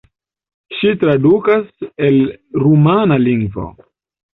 Ŝi tradukas el rumana lingvo.